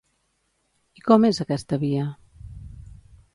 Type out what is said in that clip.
I com és aquesta via?